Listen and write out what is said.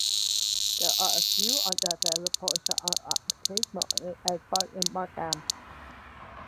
There are a few undeveloped portions along the creek, mostly as parks in Markham.